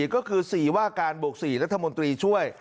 ก็คือ๔ว่าการบวก๔รัฐมนตรีช่วย